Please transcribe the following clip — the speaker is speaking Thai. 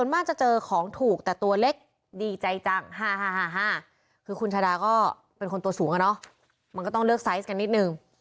มันก็ต้องเลือกไซส์กันนิดนึง